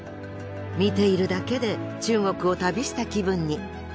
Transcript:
見ているだけで中国を旅した気分に。